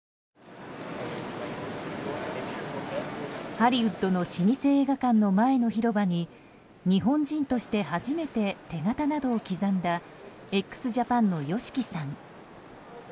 ハリウッドの老舗映画館の前の広場に日本人として初めて手形などを刻んだＸＪＡＰＡＮのＹＯＳＨＩＫＩさん。